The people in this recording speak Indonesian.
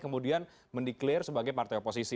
kemudian mendeklir sebagai partai oposisi